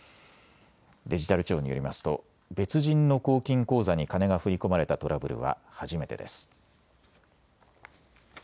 デジタル庁によりますと別人の公金口座に金が振り込まれたトラブルは初めてです。